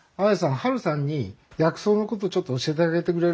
ハルさんに薬草のことちょっと教えてあげてくれる？